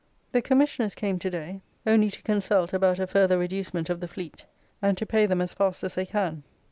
The Commissioners came to day, only to consult about a further reducement of the Fleet, and to pay them as fast as they can.